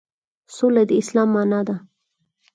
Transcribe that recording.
سوله د اسلام معنی ده